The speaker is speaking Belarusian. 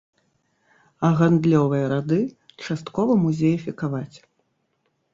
А гандлёвыя рады часткова музеефікаваць.